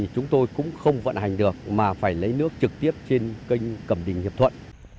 chúng tôi cũng không vận hành được mà phải lấy nước trực tiếp trên kênh cẩm đình hiệp thuận